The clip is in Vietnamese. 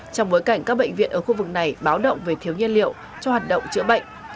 trong bối cảnh các bệnh viện ở khu vực này báo động về thiếu nhiên liệu cho hoạt động chữa bệnh